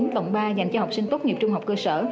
cộng ba dành cho học sinh tốt nghiệp trung học cơ sở